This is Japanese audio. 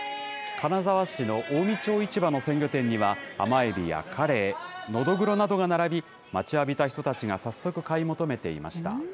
金沢市の近江町市場の鮮魚店には、甘エビやカレイ、ノドグロなどが並び、待ちわびた人たちが早速、買い求めていました。